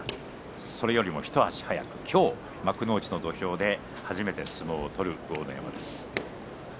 それよりも一足早く今日幕内の土俵で初めて相撲を取る豪ノ山。